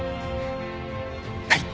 はい。